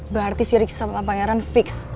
berarti si rizky sama pangeran fix